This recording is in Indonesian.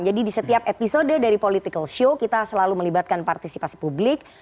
jadi di setiap episode dari political show kita selalu melibatkan partisipasi publik